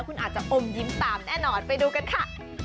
คุณอาจจะอมยิ้มตามแน่นอนไปดูกันค่ะ